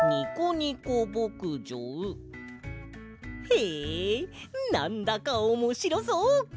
へえなんだかおもしろそう！